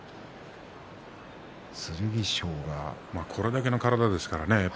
これだけの体ですからね。